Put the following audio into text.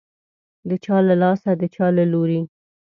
د چا له لاسه، د چا له لوري